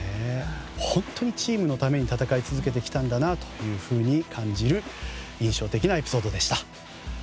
本当にチームのために戦い続けてきたんだなと感じる印象的なエピソードでした。